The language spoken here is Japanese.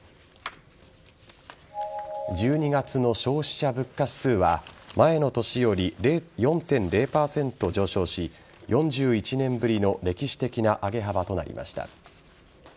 １２月の消費者物価指数は前の年より４．０％上昇し４１年ぶりの歴史的な上げ幅となりました。